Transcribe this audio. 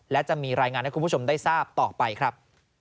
และจะมีรายงานให้คุณผู้ชมได้ทราบต่อไปครับ